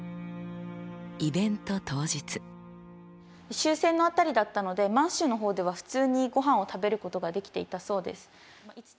終戦の辺りだったので満州の方では普通にごはんを食べることができていたそうです。